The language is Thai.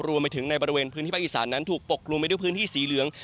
รวมไปถึงในบริเวณพื้นที่ภาคอีสานนั้นถูกปกกลุ่มไปด้วยพื้นที่สีเหลือง